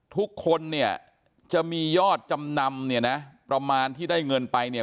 ทุกคนเนี่ยจะมียอดจำนำเนี่ยนะประมาณที่ได้เงินไปเนี่ย